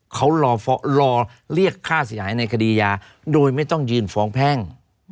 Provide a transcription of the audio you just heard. เขารอเรียกค่าเสียหายในคดียาโดยไม่ต้องยืนฟ้องแพ่ง